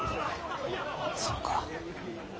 そうか。